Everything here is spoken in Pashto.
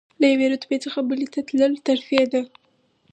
له یوې رتبې څخه بلې ته تلل ترفیع ده.